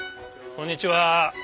・こんにちは・